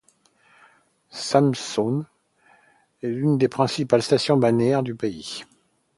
Sầm Sơn est l'une des principales stations balnéaires du pays.